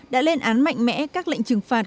đã lên án mạnh mẽ các lệnh trừng phạt